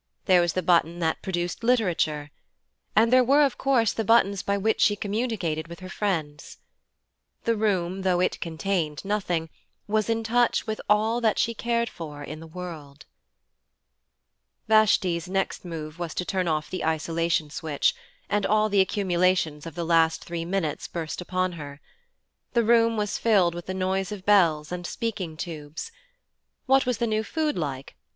There was the button that produced literature. And there were of course the buttons by which she communicated with her friends. The room, though it contained nothing, was in touch with all that she cared for in the world. Vashanti's next move was to turn off the isolation switch, and all the accumulations of the last three minutes burst upon her. The room was filled with the noise of bells, and speaking tubes. What was the new food like?